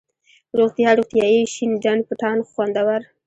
روغتيا، روغتیایي ،شين ډنډ، پټان ، خوندور،